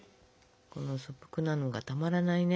この素朴なのがたまらないね。